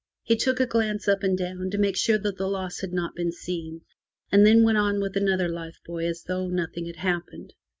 He took a glance up and down to make sure that the loss had not been seen, and then went on with another life buoy as though nothing had happened.